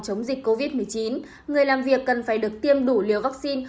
chống dịch covid một mươi chín người làm việc cần phải được tiêm đủ liều vaccine